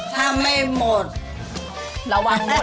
นั่นแหละ